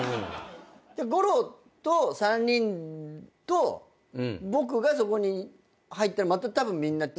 吾郎と３人と僕がそこに入ったらまたたぶんみんな違う。